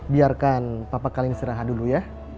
biarkan papa kali istirahat dulu ya